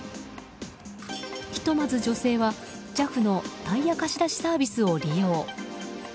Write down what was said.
ひとまず女性は、ＪＡＦのタイヤ貸し出しサービスを利用。